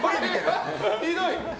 ひどい！